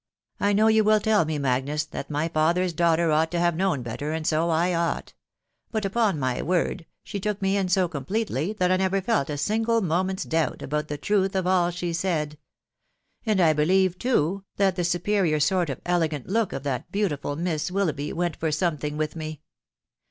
I know you will tell me, Magnus, that my father's daughter ought to have known better, and so I ought ; hut, upon my word, she took me in so completely that I never felt a single moment's doubt about the truth of all she said. ..• And I believe, too, that the superior sort of elegant look of that beautiful Miss Wil loughby went for something with me.